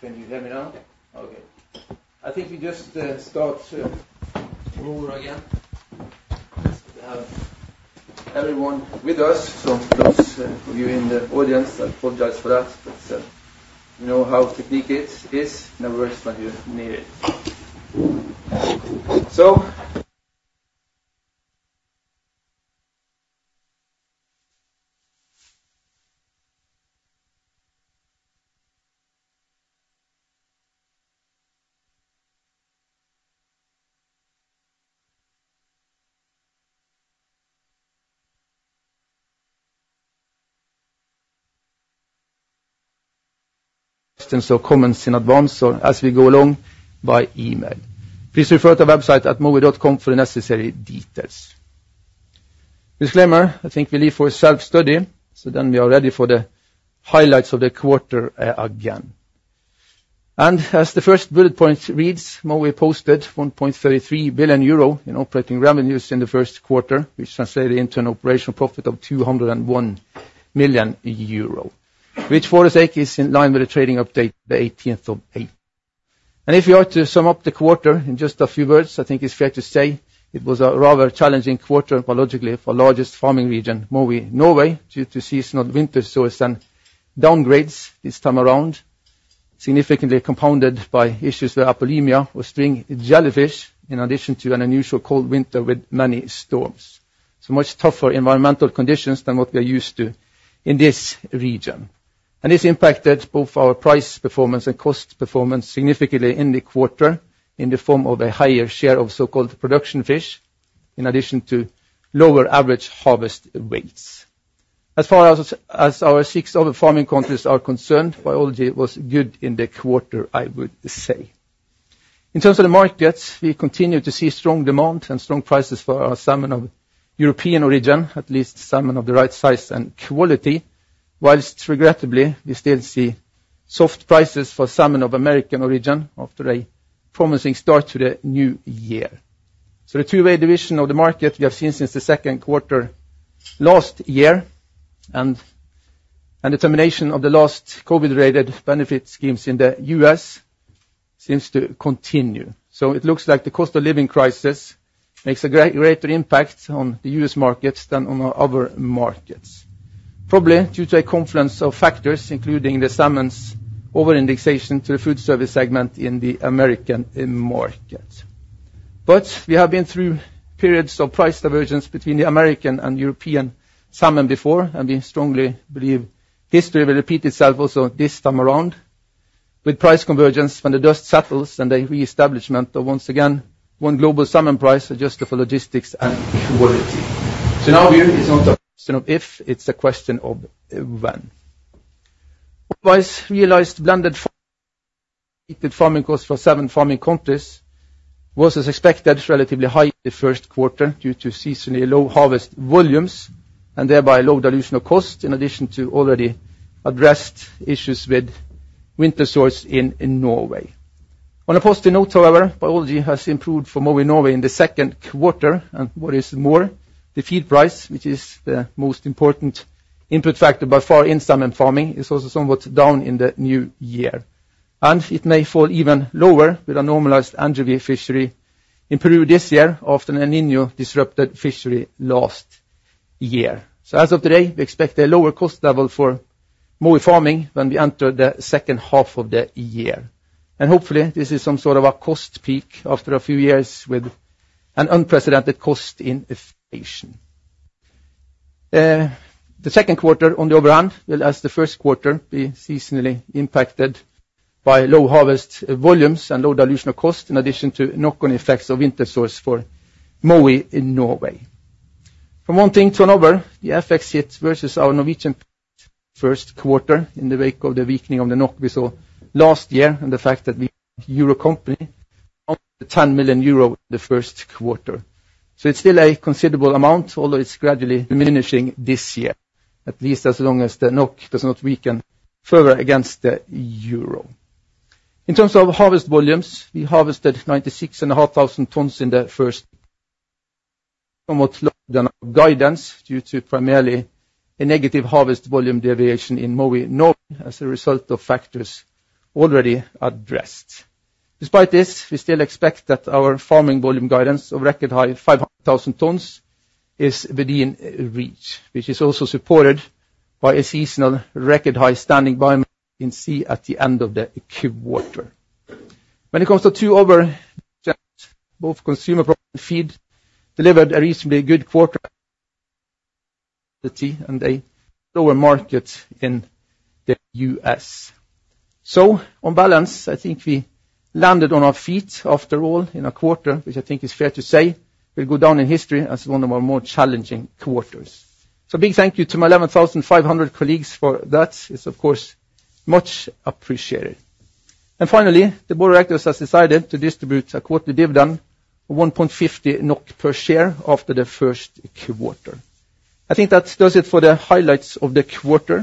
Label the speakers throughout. Speaker 1: Can you hear me now? Okay. I think we just started the call again. We have everyone with us, so those of you in the audience, I apologize for that. But you know how technical it is. Never worry when you need it. So. Send some comments in advance as we go along by email. Please refer to the website at mowi.com for the necessary details. Disclaimer: I think we leave for self-study, so then we are ready for the highlights of the quarter again. As the first bullet point reads, Mowi posted 1.33 billion euro in operating revenues in the first quarter, which translated into an operational profit of 201 million euro, which for its sake is in line with the trading update the 18th of April. If we are to sum up the quarter in just a few words, I think it's fair to say it was a rather challenging quarter, biologically, for the largest farming region, Mowi Norway, due to seasonal winter sores and downgrades this time around, significantly compounded by issues with Apolemia or string jellyfish in addition to an unusual cold winter with many storms. So much tougher environmental conditions than what we are used to in this region. This impacted both our price performance and cost performance significantly in the quarter in the form of a higher share of so-called production fish in addition to lower average harvest weights. As far as our six other farming countries are concerned, biology was good in the quarter, I would say. In terms of the markets, we continue to see strong demand and strong prices for our salmon of European origin, at least salmon of the right size and quality, while regrettably, we still see soft prices for salmon of American origin after a promising start to the new year. So the two-way division of the market we have seen since the second quarter last year and the termination of the last COVID-related benefit schemes in the U.S. seems to continue. So it looks like the cost of living crisis makes a greater impact on the U.S. markets than on other markets, probably due to a confluence of factors, including the salmon's over-indexation to the food service segment in the American market. But we have been through periods of price divergence between the American and European salmon before, and we strongly believe history will repeat itself also this time around with price convergence when the dust settles and the reestablishment of, once again, one global salmon price adjusted for logistics and quality. So mind you, it's not a question of if. It's a question of when. Otherwise, realized blended farming costs for seven farming countries was, as expected, relatively high in the first quarter due to seasonally low harvest volumes and thereby low dilution of cost in addition to already addressed issues with winter sores in Norway. On a positive note, however, biology has improved for Mowi Norway in the second quarter. What is more, the feed price, which is the most important input factor by far in salmon farming, is also somewhat down in the new year. It may fall even lower with a normalized anchovy fishery in Peru this year after an El Niño disrupted fishery last year. As of today, we expect a lower cost level for Mowi Farming when we enter the second half of the year. Hopefully, this is some sort of a cost peak after a few years with an unprecedented cost inflation. The second quarter, on the other hand, will, as the first quarter, be seasonally impacted by low harvest volumes and low dilution of cost in addition to knock-on effects of winter sores for Mowi in Norway. From one thing to another, the FX hit versus our Norwegian first quarter in the wake of the weakening of the NOK we saw last year and the fact that we were a euro company amounted to 10 million euro in the first quarter. So it's still a considerable amount, although it's gradually diminishing this year, at least as long as the NOK does not weaken further against the euro. In terms of harvest volumes, we harvested 96,500 tons in the first quarter, somewhat lower than our guidance due to primarily a negative harvest volume deviation in Mowi Norway as a result of factors already addressed. Despite this, we still expect that our farming volume guidance of record high 500,000 tons is within reach, which is also supported by a seasonal record high standing biomass in sea at the end of the quarter. When it comes to two other projects, both consumer product and feed, delivered a reasonably good quarter and a lower market in the U.S. So on balance, I think we landed on our feet after all in a quarter, which I think is fair to say will go down in history as one of our more challenging quarters. So a big thank you to my 11,500 colleagues for that. It's, of course, much appreciated. And finally, the board of directors has decided to distribute a quarterly dividend of 1.50 NOK per share after the first quarter. I think that does it for the highlights of the quarter.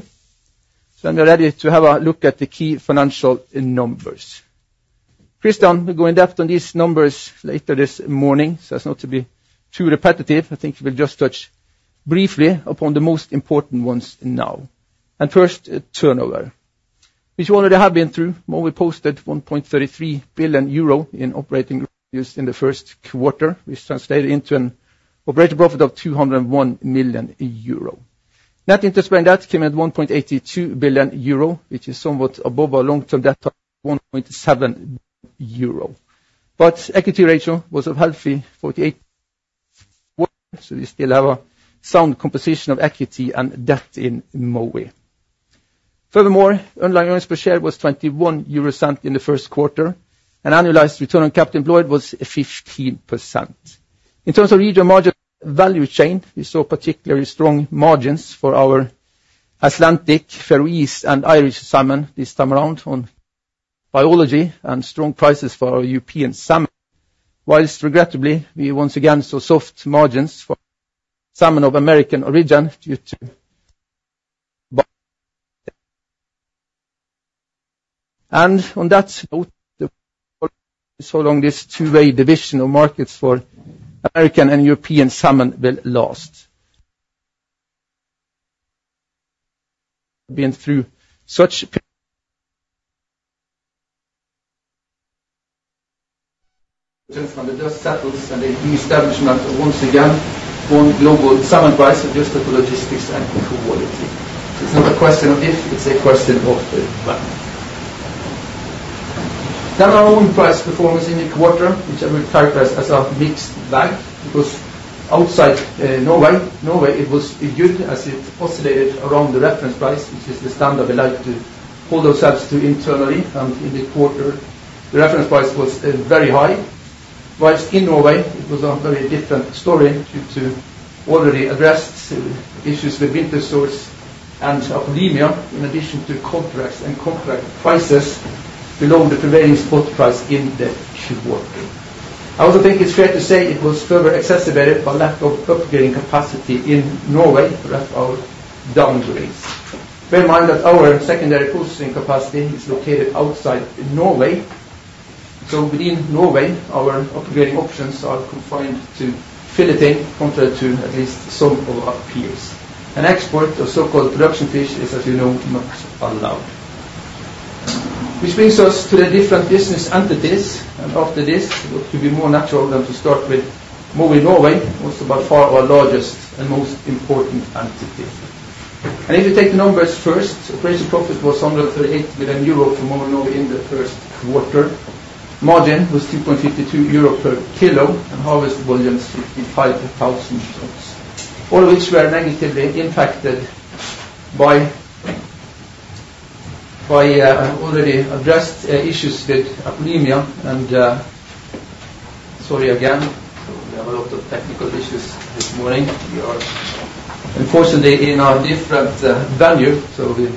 Speaker 1: So then we are ready to have a look at the key financial numbers. Kristian, we'll go in depth on these numbers later this morning, so that's not to be too repetitive. I think we'll just touch briefly upon the most important ones now. First, turnover, which we already have been through. Mowi posted 1.33 billion euro in operating revenues in the first quarter, which translated into an operating profit of 201 million euro. Net interest-paying debt came at 1.82 billion euro, which is somewhat above our long-term debt of 1.7 billion euro. Equity ratio was a healthy 48%-50%, so we still have a sound composition of equity and debt in Mowi. Furthermore, underlying earnings per share was 0.21 in the first quarter, and annualized return on capital employed was 15%. In terms of regional margin value chain, we saw particularly strong margins for our Atlantic, Faroese, and Irish salmon this time around on biology and strong prices for our European salmon, while regrettably, we once again saw soft margins for salmon of American origin due to. On that note, how long this two-way division of markets for American and European salmon will last. Been through such periods. When the dust settles and the reestablishment, once again, one global salmon price adjusted for logistics and quality. So it's not a question of if. It's a question of when. Then our own price performance in the quarter, which I will characterize as a mixed bag because outside Norway. In Norway, it was good as it oscillated around the reference price, which is the standard we like to hold ourselves to internally. And in the quarter, the reference price was very high, whilst in Norway, it was a very different story due to already addressed issues with winter sores and Apolemia in addition to contracts and contract prices below the prevailing spot price in the quarter. I also think it's fair to say it was further exacerbated by lack of upgrading capacity in Norway for our downgrades. Bear in mind that our secondary processing capacity is located outside Norway. So within Norway, our upgrading options are confined to filleting compared to at least some of our peers. And export of so-called production fish is, as you know, not allowed. Which brings us to the different business entities. And after this, what could be more natural than to start with Mowi Norway, also by far our largest and most important entity. And if you take the numbers first, operating profit was 138 billion euro for Mowi Norway in the first quarter. Margin was 2.52 euro per kilo and harvest volumes 55,000 tons, all of which were negatively impacted by already addressed issues with Apolemia. And sorry again. So we have a lot of technical issues this morning. We are, unfortunately, in a different venue, so we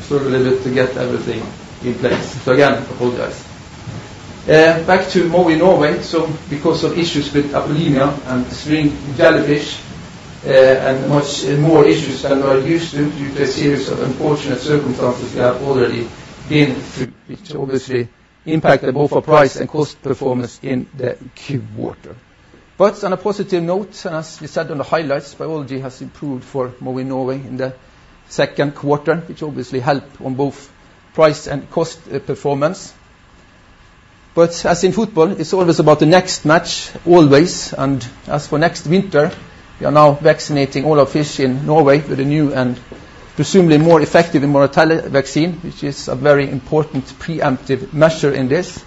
Speaker 1: struggle a little bit to get everything in place. So again, apologize. Back to Mowi Norway. So because of issues with Apolemia and string jellyfish and much more issues than we are used to due to a series of unfortunate circumstances we have already been through, which obviously impacted both our price and cost performance in the quarter. But on a positive note, and as we said on the highlights, biology has improved for Mowi Norway in the second quarter, which obviously helped on both price and cost performance. But as in football, it's always about the next match, always. And as for next winter, we are now vaccinating all our fish in Norway with a new and presumably more effective immunostimulant vaccine, which is a very important preemptive measure in this.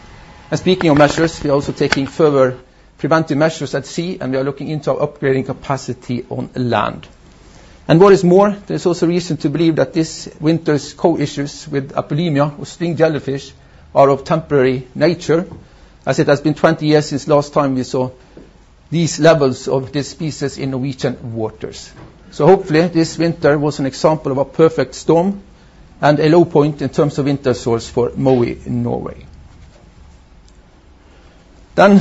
Speaker 1: Speaking of measures, we are also taking further preventive measures at sea, and we are looking into our upgrading capacity on land. What is more, there is also reason to believe that this winter's issues with Apolemia or string jellyfish are of temporary nature as it has been 20 years since last time we saw these levels of this species in Norwegian waters. Hopefully, this winter was an example of a perfect storm and a low point in terms of winter sores for Mowi Norway.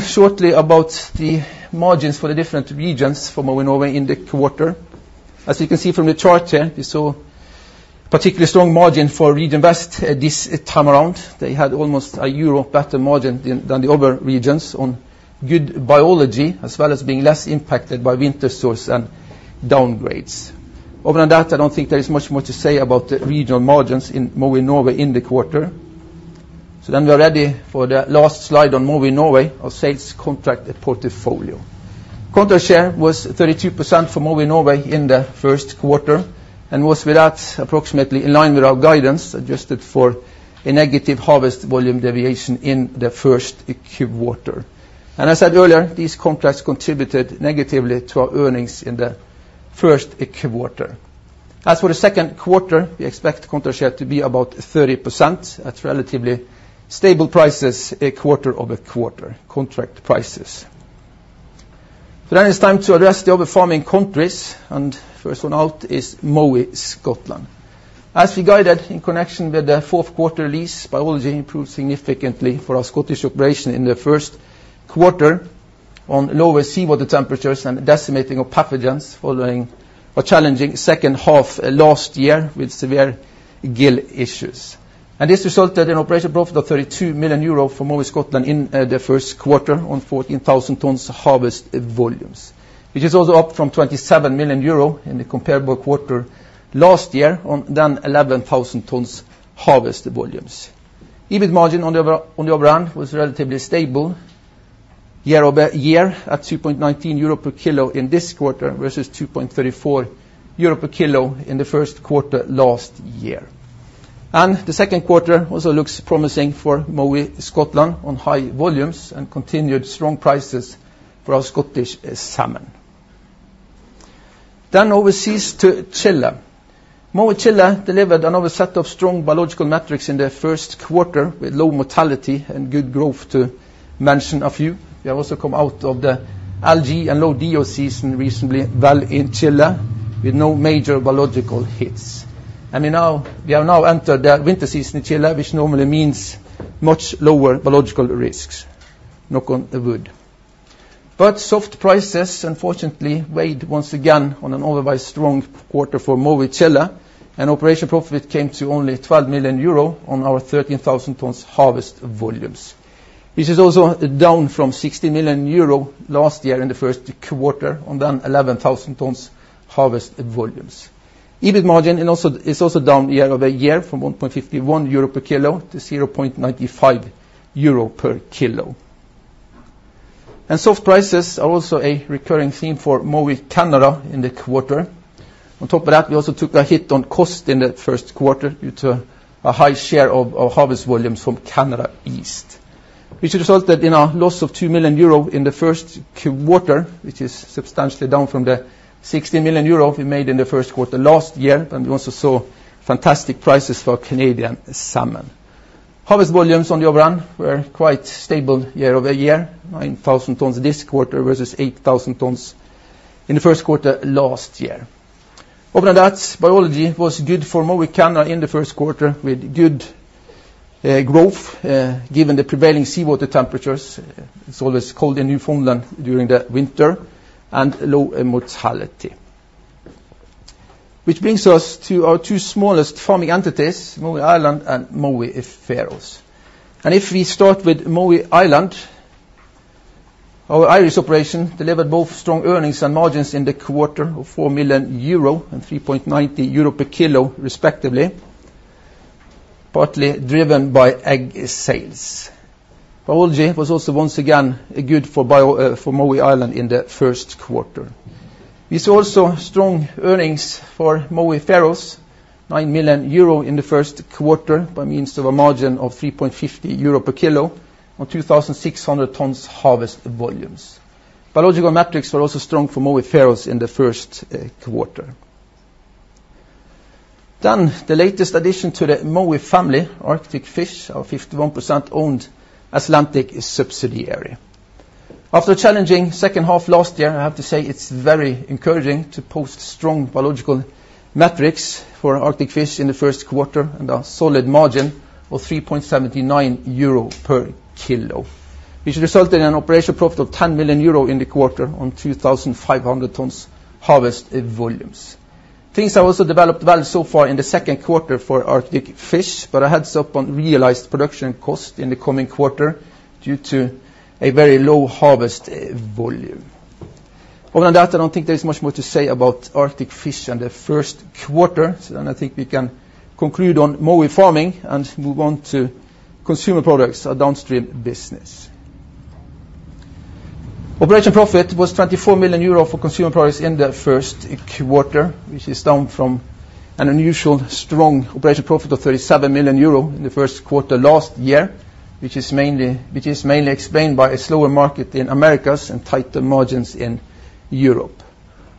Speaker 1: Shortly about the margins for the different regions for Mowi Norway in the quarter. As you can see from the chart here, we saw a particularly strong margin for Region West this time around. They had almost EUR 1 better margin than the other regions on good biology as well as being less impacted by winter sores and downgrades. Other than that, I don't think there is much more to say about the regional margins in Mowi Norway in the quarter. So then we are ready for the last slide on Mowi Norway of sales contract and portfolio. Contract share was 32% for Mowi Norway in the first quarter and was, with that, approximately in line with our guidance adjusted for a negative harvest volume deviation in the first quarter. And as I said earlier, these contracts contributed negatively to our earnings in the first quarter. As for the second quarter, we expect contract share to be about 30% at relatively stable prices quarter-over-quarter, contract prices. So then it's time to address the other farming countries. And first one out is Mowi Scotland. As we guided in connection with the fourth quarter release, biology improved significantly for our Scottish operation in the first quarter on lower seawater temperatures and decimating of pathogens following a challenging second half last year with severe gill issues. This resulted in an operating profit of 32 million euro for Mowi Scotland in the first quarter on 14,000 tons harvest volumes, which is also up from 27 million euro in the comparable quarter last year on then 11,000 tons harvest volumes. EBIT margin on the other hand was relatively stable year-over-year at 2.19 euro per kilo in this quarter versus 2.34 euro per kilo in the first quarter last year. The second quarter also looks promising for Mowi Scotland on high volumes and continued strong prices for our Scottish salmon. Overseas to Chile. Mowi Chile delivered another set of strong biological metrics in the first quarter with low mortality and good growth to mention a few. We have also come out of the algae and low DO season reasonably well in Chile with no major biological hits. We have now entered the winter season in Chile, which normally means much lower biological risks, knock on wood. But soft prices, unfortunately, weighed once again on an otherwise strong quarter for Mowi Chile, and operating profit came to only 12 million euro on our 13,000 tons harvest volumes, which is also down from 60 million euro last year in the first quarter on then 11,000 tons harvest volumes. EBIT margin is also down year-over-year from 1.51 euro per kilo to 0.95 euro per kilo. Soft prices are also a recurring theme for Mowi Canada in the quarter. On top of that, we also took a hit on cost in the first quarter due to a high share of harvest volumes from Canada East, which resulted in a loss of 2 million euro in the first quarter, which is substantially down from the 16 million euro we made in the first quarter last year. We also saw fantastic prices for Canadian salmon. Harvest volumes on the other hand were quite stable year-over-year, 9,000 tons this quarter versus 8,000 tons in the first quarter last year. Other than that, biology was good for Mowi Canada in the first quarter with good growth given the prevailing seawater temperatures. It's always cold in Newfoundland during the winter and low mortality. Which brings us to our two smallest farming entities, Mowi Ireland and Mowi Faroe Islands. If we start with Mowi Ireland, our Irish operation delivered both strong earnings and margins in the quarter of 4 million euro and 3.90 euro per kilo, respectively, partly driven by egg sales. Biology was also once again good for Mowi Ireland in the first quarter. We saw also strong earnings for Mowi Faroes, 9 million euro in the first quarter by means of a margin of 3.50 euro per kilo on 2,600 tons harvest volumes. Biological metrics were also strong for Mowi Faroes in the first quarter. The latest addition to the Mowi family, Arctic Fish, our 51% owned Icelandic subsidiary. After a challenging second half last year, I have to say it's very encouraging to post strong biological metrics for Arctic Fish in the first quarter and a solid margin of 3.79 euro per kilo, which resulted in an operational profit of 10 million euro in the quarter on 2,500 tons harvest volumes. Things have also developed well so far in the second quarter for Arctic Fish, but a heads up on realized production cost in the coming quarter due to a very low harvest volume. Other than that, I don't think there is much more to say about Arctic Fish and the first quarter. So then I think we can conclude on Mowi Farming and move on to Consumer Products, our downstream business. Operating profit was 24 million euro for Consumer Products in the first quarter, which is down from an unusual strong operating profit of 37 million euro in the first quarter last year, which is mainly explained by a slower market in Americas and tighter margins in Europe.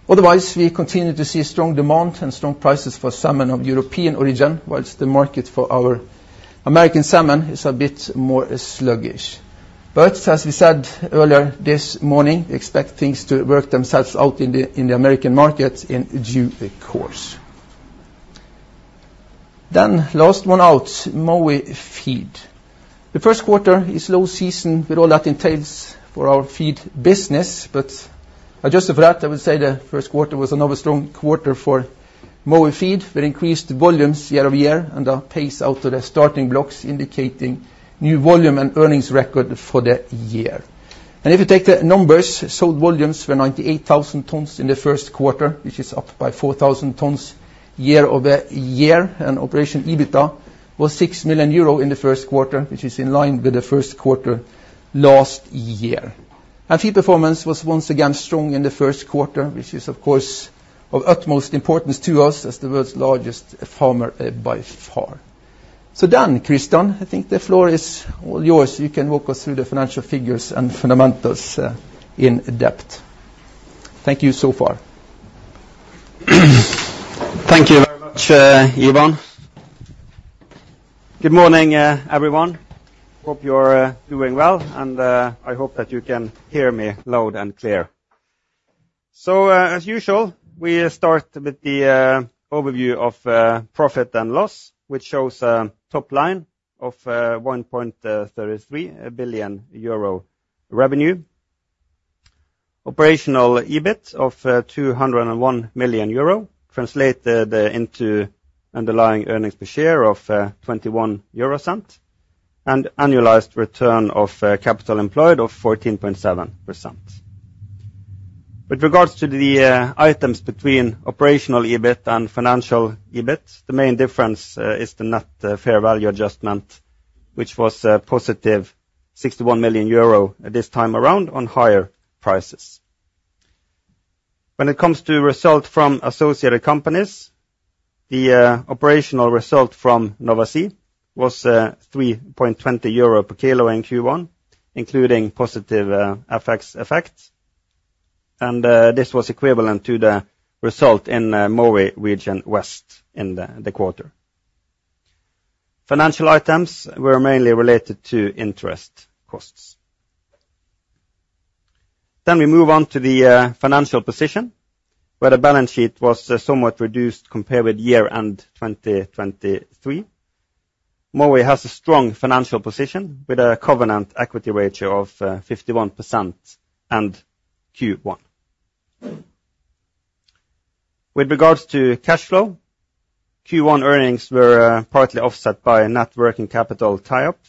Speaker 1: Otherwise, we continue to see strong demand and strong prices for salmon of European origin, whilst the market for our American salmon is a bit more sluggish. But as we said earlier this morning, we expect things to work themselves out in the American market in due course. Then last one out, Mowi Feed. The first quarter is low season with all that entails for our feed business. But adjusted for that, I would say the first quarter was another strong quarter for Mowi Feed with increased volumes year-over-year and a pace out of the starting blocks indicating new volume and earnings record for the year. And if you take the numbers, sold volumes were 98,000 tons in the first quarter, which is up by 4,000 tons year-over-year. And operating EBITDA was 6 million euro in the first quarter, which is in line with the first quarter last year. And feed performance was once again strong in the first quarter, which is, of course, of utmost importance to us as the world's largest farmer by far. So then, Kristian, I think the floor is all yours. You can walk us through the financial figures and fundamentals in depth. Thank you so far.
Speaker 2: Thank you very much, Ivan. Good morning, everyone. Hope you're doing well. I hope that you can hear me loud and clear. As usual, we start with the overview of profit and loss, which shows a top line of 1.33 billion euro revenue, operational EBIT of 201 million euro, translated into underlying earnings per share of 0.21, and annualized return of capital employed of 14.7%. With regards to the items between operational EBIT and financial EBIT, the main difference is the net fair value adjustment, which was positive 61 million euro this time around on higher prices. When it comes to result from associated companies, the operational result from Nova Sea was 3.20 euro per kilo in Q1, including positive FX effects. This was equivalent to the result in Mowi Region West in the quarter. Financial items were mainly related to interest costs. We move on to the financial position, where the balance sheet was somewhat reduced compared with year-end 2023. Mowi has a strong financial position with a covenant equity ratio of 51% in Q1. With regards to cash flow, Q1 earnings were partly offset by net working capital tie-up,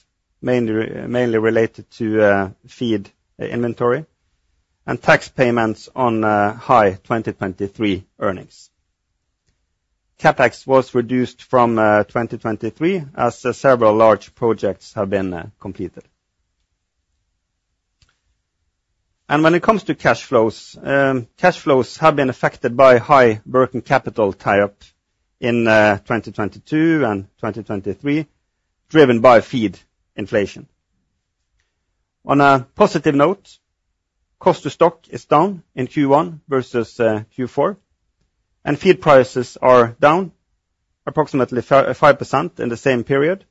Speaker 2: mainly related to feed inventory, and tax payments on high 2023 earnings. CapEx was reduced from 2023 as several large projects have been completed. When it comes to cash flows, cash flows have been affected by high working capital tie-up in 2022 and 2023, driven by feed inflation. On a positive note, cost to stock is down in Q1 versus Q4. Feed prices are down, approximately 5% in the same period.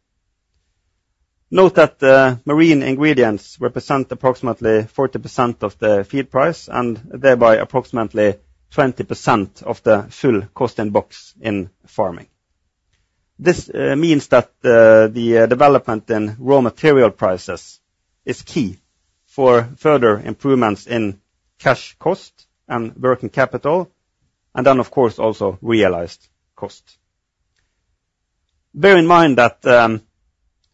Speaker 2: Note that marine ingredients represent approximately 40% of the feed price and thereby approximately 20% of the full cost-in-box in farming. This means that the development in raw material prices is key for further improvements in cash cost and working capital, and then, of course, also realized cost. Bear in mind that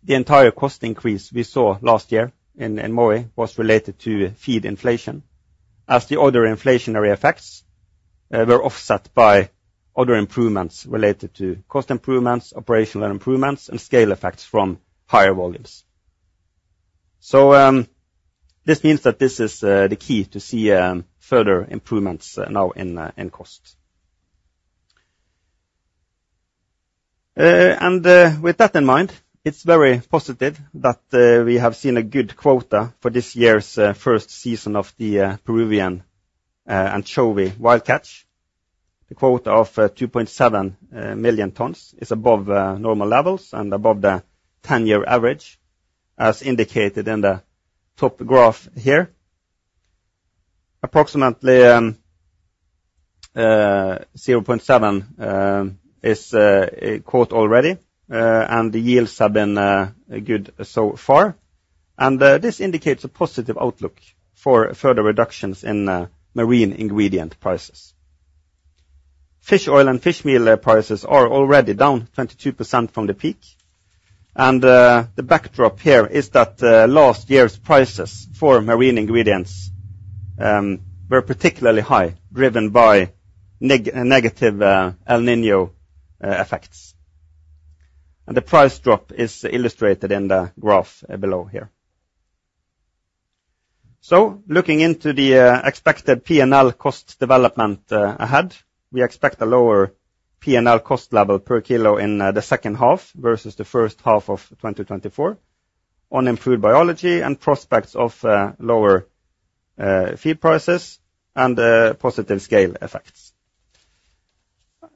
Speaker 2: the entire cost increase we saw last year in Mowi was related to feed inflation as the other inflationary effects were offset by other improvements related to cost improvements, operational improvements, and scale effects from higher volumes. So this means that this is the key to see further improvements now in cost. And with that in mind, it's very positive that we have seen a good quota for this year's first season of the Peruvian anchovy wildcatch. The quota of 2.7 million tons is above normal levels and above the 10-year average, as indicated in the top graph here. Approximately 0.7% is quoted already. And the yields have been good so far. This indicates a positive outlook for further reductions in marine ingredient prices. Fish oil and fish meal prices are already down 22% from the peak. The backdrop here is that last year's prices for marine ingredients were particularly high, driven by negative El Niño effects. The price drop is illustrated in the graph below here. Looking into the expected P&L cost development ahead, we expect a lower P&L cost level per kilo in the second half versus the first half of 2024 on improved biology and prospects of lower feed prices and positive scale effects.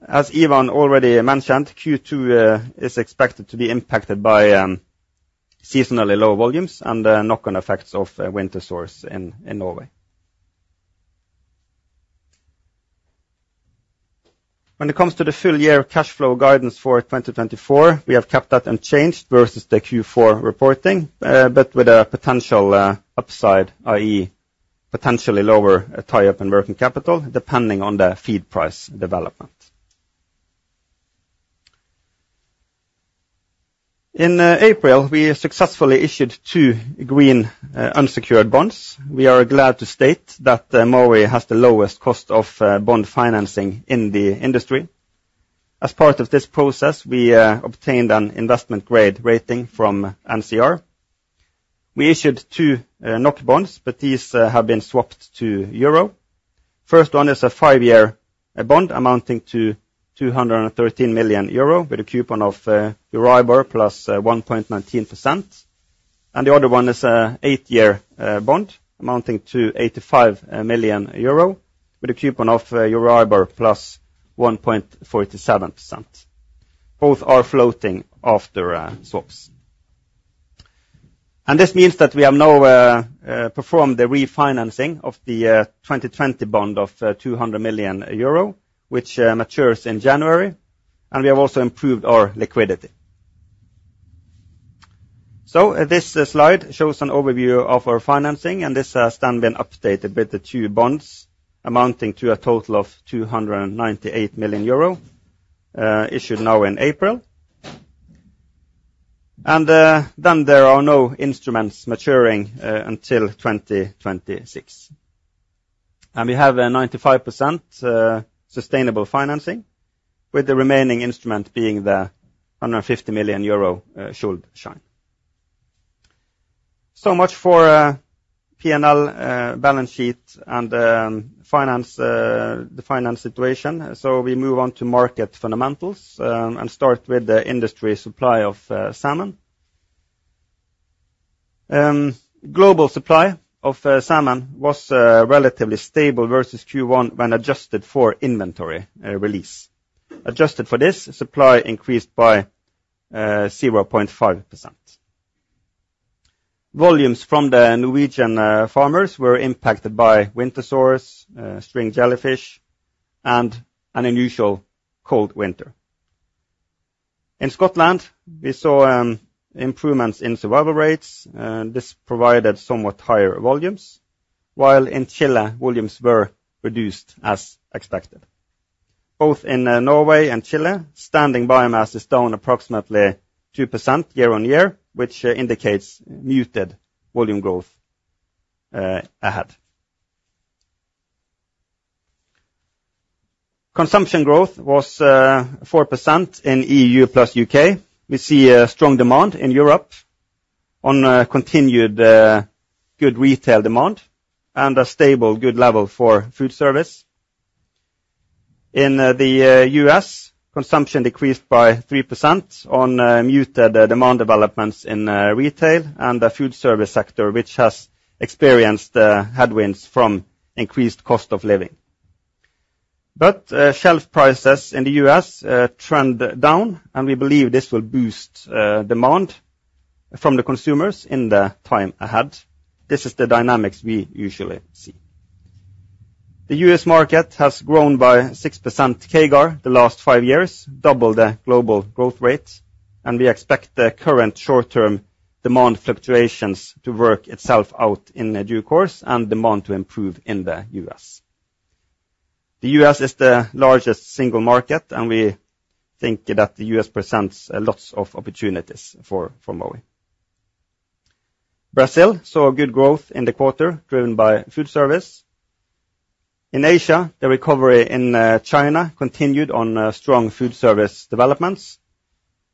Speaker 2: As Ivan already mentioned, Q2 is expected to be impacted by seasonally low volumes and knock-on effects of winter sores in Norway. When it comes to the full-year cash flow guidance for 2024, we have kept that unchanged versus the Q4 reporting, but with a potential upside, i.e., potentially lower tie-up in working capital depending on the feed price development. In April, we successfully issued two green unsecured bonds. We are glad to state that Mowi has the lowest cost of bond financing in the industry. As part of this process, we obtained an investment-grade rating from NCR. We issued two NOK bonds, but these have been swapped to euro. The first one is a five-year bond amounting to 213 million euro with a coupon of Euribor plus 1.19%. And the other one is an eight-year bond amounting to 85 million euro with a coupon of Euribor plus 1.47%. Both are floating after swaps. This means that we have now performed the refinancing of the 2020 bond of 200 million euro, which matures in January. We have also improved our liquidity. This slide shows an overview of our financing. This has then been updated with the two bonds amounting to a total of 298 million euro issued now in April. Then there are no instruments maturing until 2026. We have a 95% sustainable financing, with the remaining instrument being the 150 million euro Schuldschein. So much for P&L balance sheet and the finance situation. We move on to market fundamentals and start with the industry supply of salmon. Global supply of salmon was relatively stable versus Q1 when adjusted for inventory release. Adjusted for this, supply increased by 0.5%. Volumes from the Norwegian farmers were impacted by winter sores, string jellyfish, and an unusual cold winter. In Scotland, we saw improvements in survival rates. This provided somewhat higher volumes, while in Chile, volumes were reduced as expected. Both in Norway and Chile, standing biomass is down approximately 2% year-on-year, which indicates muted volume growth ahead. Consumption growth was 4% in EU + U.K. We see strong demand in Europe on continued good retail demand and a stable good level for food service. In the U.S., consumption decreased by 3% on muted demand developments in retail and the food service sector, which has experienced headwinds from increased cost of living. But shelf prices in the U.S. trend down. And we believe this will boost demand from the consumers in the time ahead. This is the dynamics we usually see. The U.S. market has grown by 6% CAGR the last 5 years, doubled the global growth rate. We expect the current short-term demand fluctuations to work itself out in due course and demand to improve in the U.S. The U.S. is the largest single market. We think that the U.S. presents lots of opportunities for Mowi. Brazil saw good growth in the quarter, driven by food service. In Asia, the recovery in China continued on strong food service developments.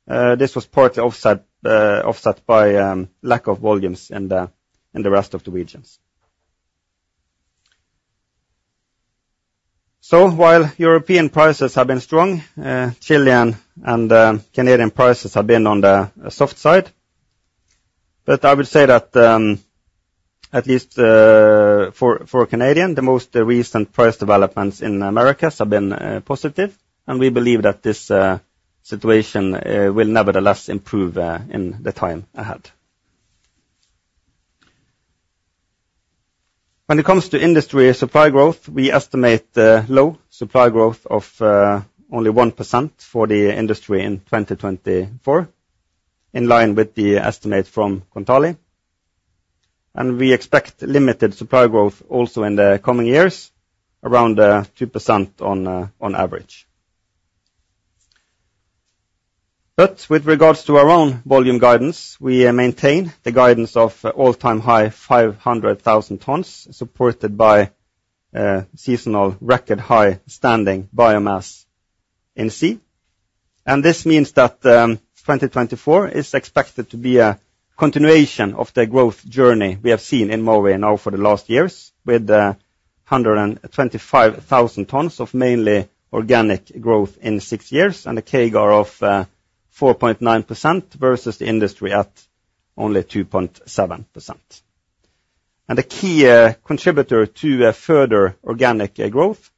Speaker 2: This was partly offset by lack of volumes in the rest of the regions. While European prices have been strong, Chilean and Canadian prices have been on the soft side. I would say that at least for Canada, the most recent price developments in America have been positive. We believe that this situation will nevertheless improve in the time ahead. When it comes to industry supply growth, we estimate low supply growth of only 1% for the industry in 2024, in line with the estimate from Kontali. We expect limited supply growth also in the coming years, around 2% on average. But with regards to our own volume guidance, we maintain the guidance of all-time high 500,000 tons, supported by seasonal record high standing biomass in sea. This means that 2024 is expected to be a continuation of the growth journey we have seen in Mowi now for the last years, with 125,000 tons of mainly organic growth in six years and a CAGR of 4.9% versus the industry at only 2.7%. The key contributor to further organic growth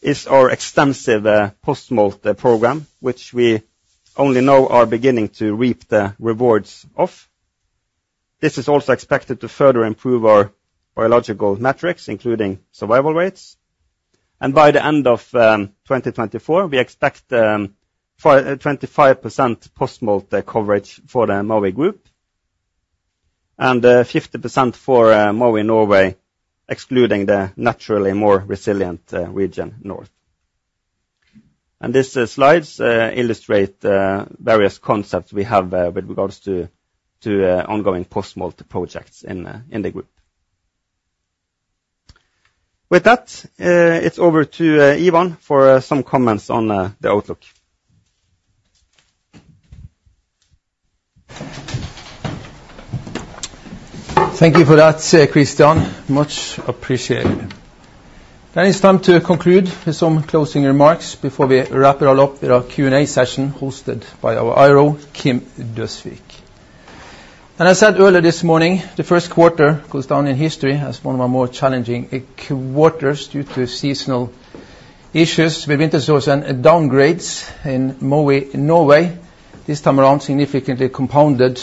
Speaker 2: is our extensive post-smolt program, which we now know are beginning to reap the rewards of. This is also expected to further improve our biological metrics, including survival rates. By the end of 2024, we expect 25% post-smolt coverage for the Mowi group and 50% for Mowi Norway, excluding the naturally more resilient Region North. These slides illustrate various concepts we have with regards to ongoing post-smolt projects in the group. With that, it's over to Ivan for some comments on the outlook.
Speaker 1: Thank you for that, Kristian. Much appreciated. Then it's time to conclude with some closing remarks before we wrap it all up with our Q&A session hosted by our IRO, Kim Døsvig. As said earlier this morning, the first quarter goes down in history as one of our more challenging quarters due to seasonal issues with winter sores and downgrades in Mowi Norway, this time around significantly compounded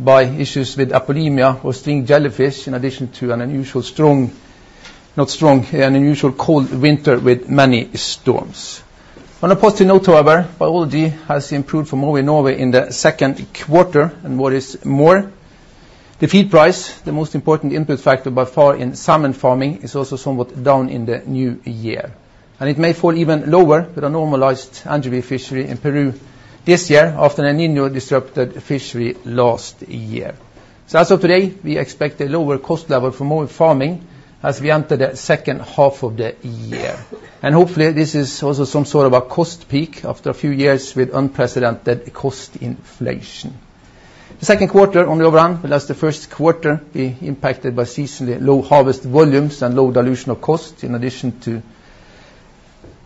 Speaker 1: by issues with Apolemia or string jellyfish, in addition to an unusual cold winter with many storms. On a positive note, however, biology has improved for Mowi Norway in the second quarter. And what is more, the feed price, the most important input factor by far in salmon farming, is also somewhat down in the new year. And it may fall even lower with a normalized anchovy fishery in Peru this year after El Niño disrupted fishery last year. So as of today, we expect a lower cost level for Mowi Farming as we enter the second half of the year. And hopefully, this is also some sort of a cost peak after a few years with unprecedented cost inflation. The second quarter on the overrun, whereas the first quarter be impacted by seasonally low harvest volumes and low dilution of cost, in addition to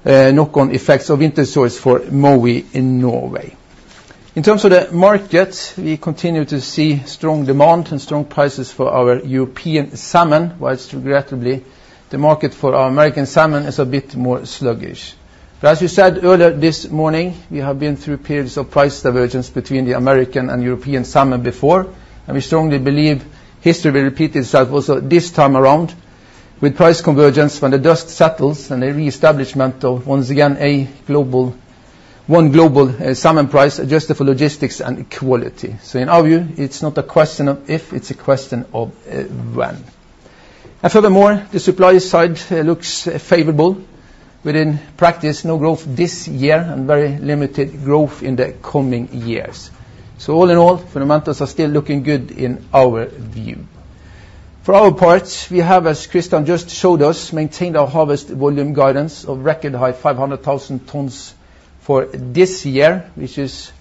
Speaker 1: knock-on effects of winter sores for Mowi in Norway. In terms of the market, we continue to see strong demand and strong prices for our European salmon, while, regrettably, the market for our American salmon is a bit more sluggish. But as we said earlier this morning, we have been through periods of price divergence between the American and European salmon before. And we strongly believe history will repeat itself also this time around with price convergence when the dust settles and the reestablishment of once again a one global salmon price adjusted for logistics and quality. So in our view, it's not a question of if. It's a question of when. And furthermore, the supply side looks favorable. In practice, no growth this year and very limited growth in the coming years. So all in all, fundamentals are still looking good in our view. For our part, we have, as Kristian just showed us, maintained our harvest volume guidance of record high 500,000 tons for this year, which is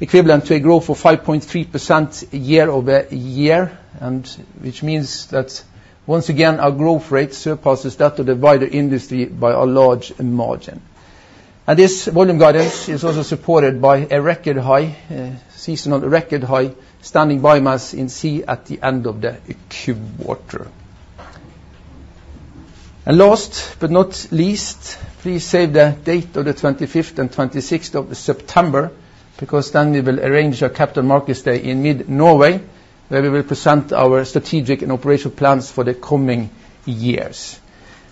Speaker 1: equivalent to a growth of 5.3% year-over-year, which means that once again, our growth rate surpasses that of the wider industry by a large margin. And this volume guidance is also supported by a seasonal record high standing biomass in sea at the end of the quarter. And last but not least, please save the date of the 25th and 26th of September because then we will arrange our Capital Markets Day in mid-Norway, where we will present our strategic and operational plans for the coming years.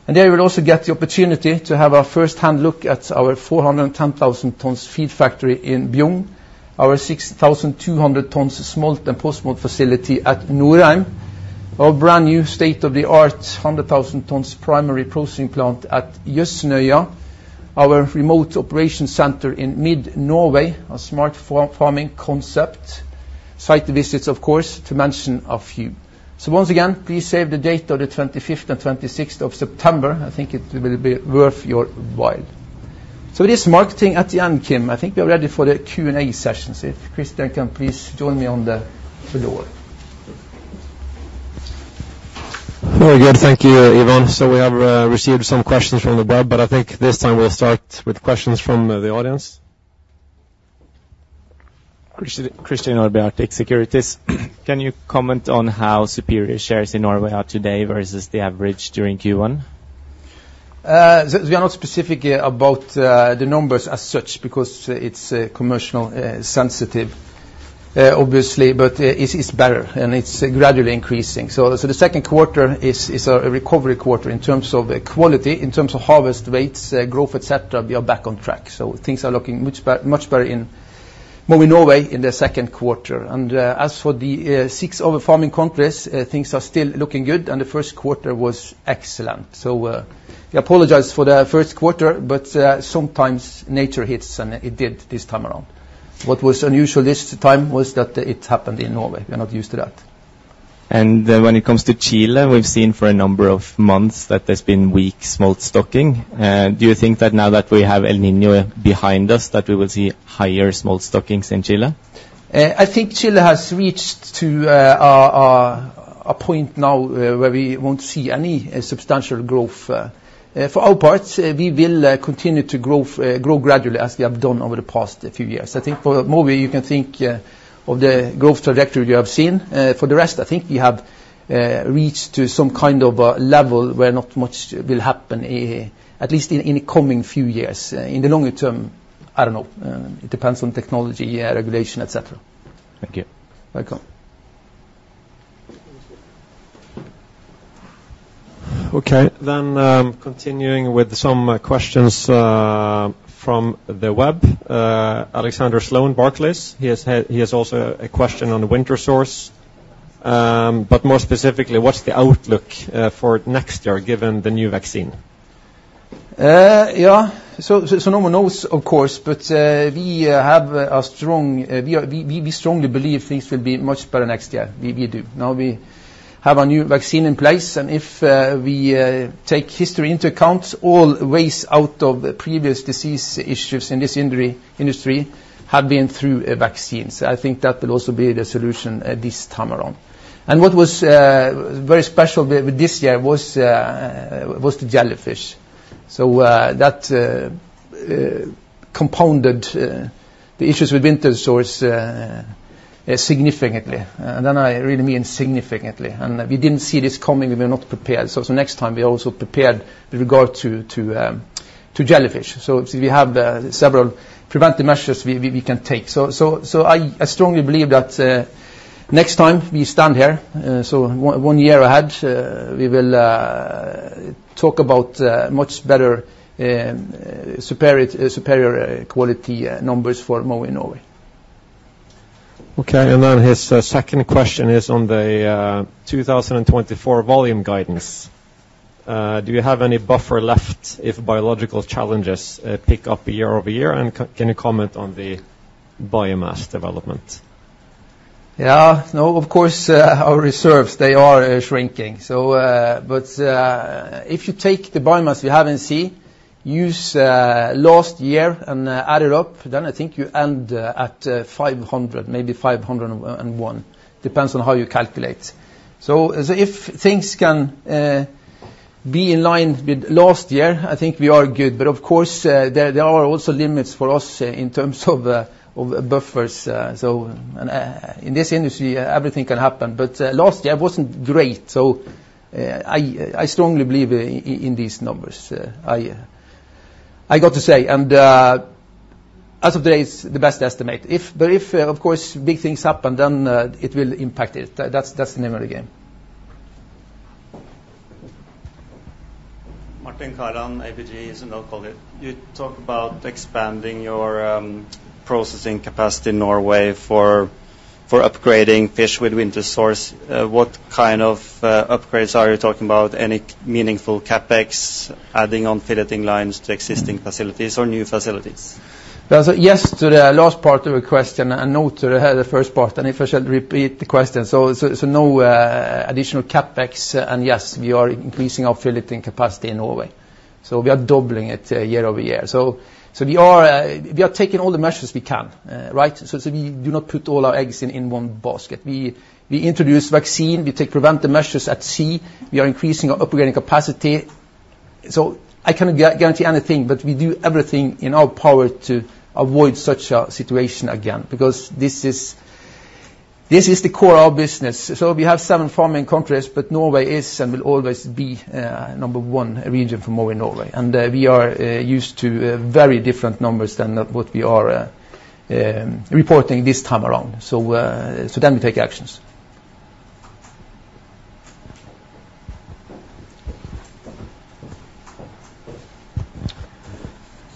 Speaker 1: And there you will also get the opportunity to have a firsthand look at our 410,000 tons feed factory in Bjugn, our 6,200 tons smolt and post-smolt facility at Nordheim, our brand new state-of-the-art 100,000 tons primary processing plant at Jøsnøya, our remote operations center in mid-Norway, a smart farming concept, site visits, of course, to mention a few. So once again, please save the date of the 25th and 26th of September. I think it will be worth your while. So with this marketing at the end, Kim, I think we are ready for the Q&A session. So if Kristian can, please join me on the floor.
Speaker 3: Very good. Thank you, Ivan. We have received some questions from the web. I think this time, we'll start with questions from the audience.
Speaker 4: Christian Nordby, Arctic Securities. Can you comment on how superior shares in Norway are today versus the average during Q1?
Speaker 1: We are not specific about the numbers as such because it's commercially sensitive, obviously. But it's better. And it's gradually increasing. So the second quarter is a recovery quarter in terms of quality, in terms of harvest rates, growth, et cetera. We are back on track. So things are looking much better in Mowi Norway in the second quarter. And as for the six other farming countries, things are still looking good. And the first quarter was excellent. So we apologize for the first quarter. But sometimes, nature hits. And it did this time around. What was unusual this time was that it happened in Norway. We are not used to that.
Speaker 4: When it comes to Chile, we've seen for a number of months that there's been weak smolt stocking. Do you think that now that we have El Niño behind us, that we will see higher smolt stockings in Chile?
Speaker 1: I think Chile has reached to a point now where we won't see any substantial growth. For our part, we will continue to grow gradually as we have done over the past few years. I think for Mowi, you can think of the growth trajectory you have seen. For the rest, I think we have reached to some kind of a level where not much will happen, at least in the coming few years. In the longer term, I don't know. It depends on technology, regulation, et cetera.
Speaker 4: Thank you.
Speaker 1: Welcome.
Speaker 3: OK. Then continuing with some questions from the web, Alexander Sloane, Barclays. He has also a question on winter sores. But more specifically, what's the outlook for next year given the new vaccine?
Speaker 1: Yeah. So no one knows, of course. But we strongly believe things will be much better next year. We do. Now, we have a new vaccine in place. And if we take history into account, all ways out of previous disease issues in this industry have been through vaccines. I think that will also be the solution this time around. And what was very special this year was the jellyfish. So that compounded the issues with winter sores significantly. And then I really mean significantly. And we didn't see this coming. We were not prepared. So next time, we are also prepared with regard to jellyfish. So we have several preventive measures we can take. So I strongly believe that next time, we stand here. So one year ahead, we will talk about much better, superior quality numbers for Mowi Norway.
Speaker 3: OK. And then his second question is on the 2024 volume guidance. Do you have any buffer left if biological challenges pick up year-over-year? And can you comment on the biomass development?
Speaker 1: Yeah. No, of course, our reserves, they are shrinking. But if you take the biomass we have in sea, use last year and add it up, then I think you end at 500, maybe 501. Depends on how you calculate. So if things can be in line with last year, I think we are good. But of course, there are also limits for us in terms of buffers. So in this industry, everything can happen. But last year wasn't great. So I strongly believe in these numbers, I got to say. And as of today, it's the best estimate. But if, of course, big things happen, then it will impact it. That's the name of the game.
Speaker 5: Martin Kaland ABG Sundal Collier. You talk about expanding your processing capacity in Norway for upgrading fish with winter sores. What kind of upgrades are you talking about? Any meaningful CapEx adding on filleting lines to existing facilities or new facilities?
Speaker 1: Yes, to the last part of your question and no to the first part. And if I shall repeat the question, so no additional CapEx. And yes, we are increasing our filleting capacity in Norway. So we are doubling it year-over-year. So we are taking all the measures we can, right? So we do not put all our eggs in one basket. We introduce vaccine. We take preventive measures at sea. We are increasing our upgrading capacity. So I cannot guarantee anything. But we do everything in our power to avoid such a situation again because this is the core of our business. So we have seven farming countries. But Norway is and will always be number one region for Mowi Norway. And we are used to very different numbers than what we are reporting this time around. So then we take actions.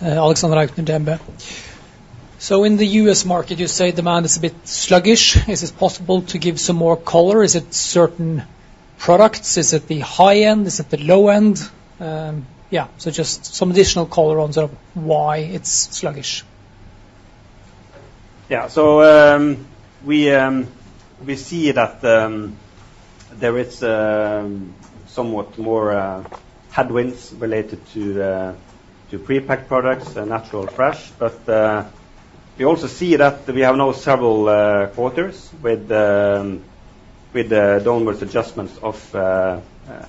Speaker 6: Alexander Aukner DNB. So in the U.S. market, you say demand is a bit sluggish. Is it possible to give some more color? Is it certain products? Is it the high end? Is it the low end? Yeah. So just some additional color on sort of why it's sluggish.
Speaker 2: Yeah. So we see that there is somewhat more headwinds related to prepacked products, natural, fresh. But we also see that we have now several quarters with downwards adjustments of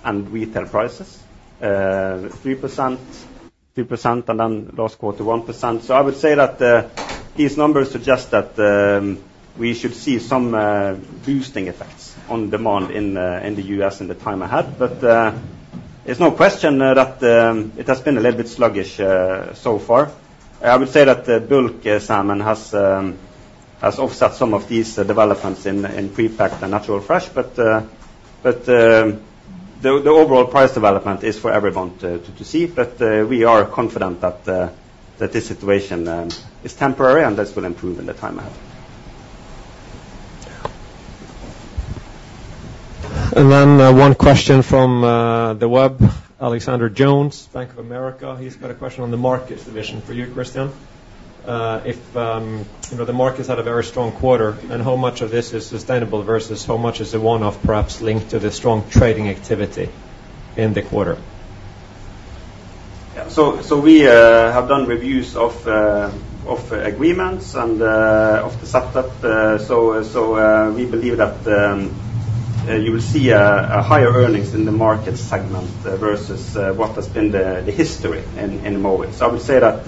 Speaker 2: and retail prices, 3%, 2%, and then last quarter, 1%. So I would say that these numbers suggest that we should see some boosting effects on demand in the U.S. in the time ahead. But it's no question that it has been a little bit sluggish so far. I would say that bulk salmon has offset some of these developments in prepacked and natural, fresh. But the overall price development is for everyone to see. But we are confident that this situation is temporary. And this will improve in the time ahead.
Speaker 3: Then one question from the web, Alexander Jones, Bank of America. He's got a question on the markets division for you, Kristian. If the markets had a very strong quarter, then how much of this is sustainable versus how much is the one-off perhaps linked to the strong trading activity in the quarter?
Speaker 2: Yeah. So we have done reviews of agreements and of the setup. So we believe that you will see higher earnings in the market segment versus what has been the history in Mowi. So I would say that,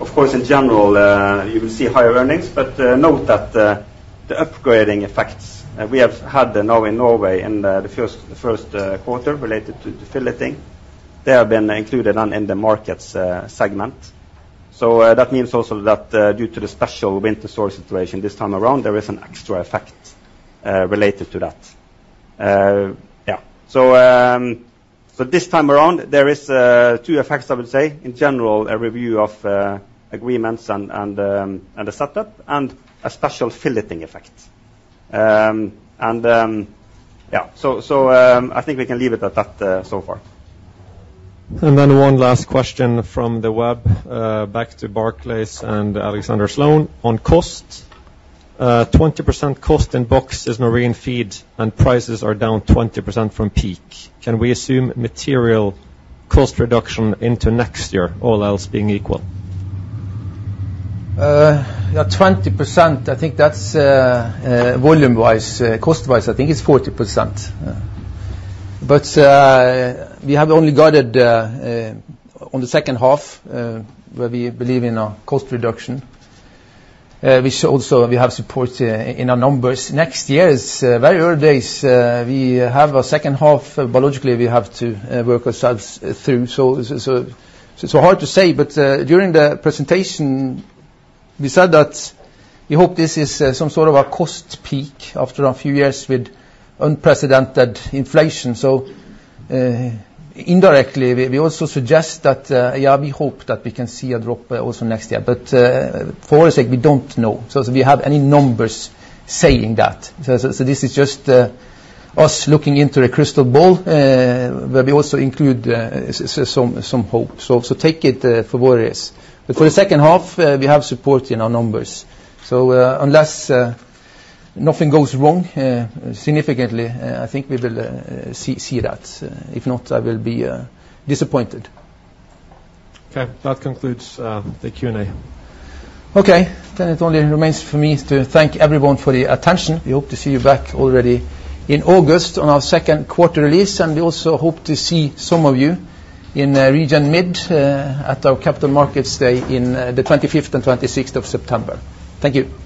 Speaker 2: of course, in general, you will see higher earnings. But note that the upgrading effects we have had now in Norway in the first quarter related to filleting, they have been included then in the market segment. So that means also that due to the special winter sores situation this time around, there is an extra effect related to that. Yeah. So this time around, there is two effects, I would say, in general, a review of agreements and the setup and a special filleting effect. And yeah. So I think we can leave it at that so far.
Speaker 3: Then one last question from the web, back to Barclays and Alexander Sloan on cost. 20% cost in box is marine feed. Prices are down 20% from peak. Can we assume material cost reduction into next year, all else being equal?
Speaker 1: Yeah. 20%, I think that's volume-wise. Cost-wise, I think it's 40%. But we have only guided on the second half where we believe in a cost reduction, which also we have support in our numbers. Next year is very early days. We have a second half. Biologically, we have to work ourselves through. So it's hard to say. But during the presentation, we said that we hope this is some sort of a cost peak after a few years with unprecedented inflation. So indirectly, we also suggest that, yeah, we hope that we can see a drop also next year. But for our sake, we don't know. So we have any numbers saying that. So this is just us looking into a crystal ball where we also include some hope. So take it for what it is. But for the second half, we have support in our numbers. So unless nothing goes wrong significantly, I think we will see that. If not, I will be disappointed.
Speaker 3: OK. That concludes the Q&A.
Speaker 1: OK. Then it only remains for me to thank everyone for the attention. We hope to see you back already in August on our second quarter release. We also hope to see some of you in Region Mid at our Capital Markets Day in the 25th and 26th of September. Thank you.